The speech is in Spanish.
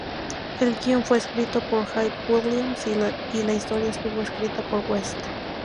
El guion fue escrito por Hype Williams y la historia estuvo escrita por West.